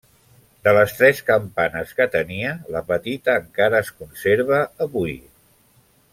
De les tres campanes que tenia, la petita encara es conserva avui.